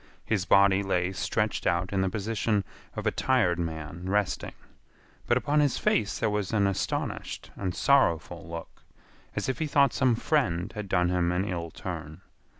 His body lay stretched out in the position of a tired man resting, but upon his face there was an astonished and sorrowful look, as if he thought some friend had done him an ill turn.